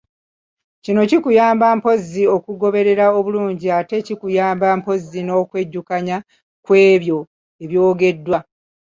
Kino kikuyamba mpozzi okugoberera obulungi ate kikuyamba mpozzi n’okwejjukanya ku ebyo ebyogeddwa.